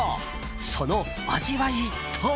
その味わいとは？